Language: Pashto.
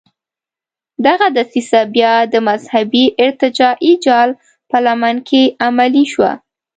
دغه دسیسه بیا د مذهبي ارتجاعي جال په لمن کې عملي شوه.